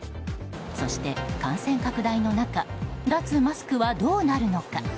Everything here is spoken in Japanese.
そして感染拡大の中脱マスクはどうなるのか。